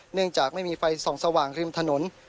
เนื่องจากไม่มีไฟส่องสว่างริมถนน